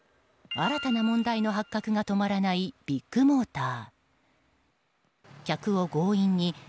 新たな問題の発覚が止まらないビッグモーター。